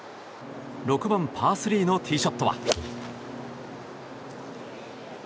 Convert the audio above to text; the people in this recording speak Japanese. ６番、パー３のティーショットは。